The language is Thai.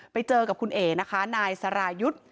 ไปเจอกับคุณเอ๋นะคะนายสรายุทธ์